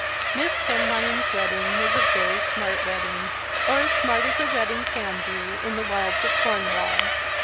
Miss Penlyon's wedding was a very smart wedding, or as smart as a wedding can be in the wilds of Cornwall.